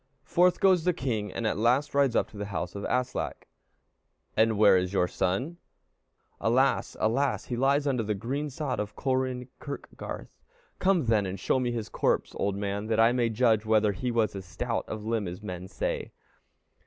Forth goes the king, and at last rides up to the house of Aslak. "And where is your youngest son?" "Alas! alas! he lies under the green sod of Kolrin kirkgarth." "Come, then, and show me his corpse, old man, that I may judge whether he was as stout of limb as men say."